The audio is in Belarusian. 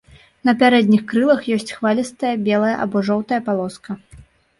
На пярэдніх крылах ёсць хвалістая белая або жоўтая палоска.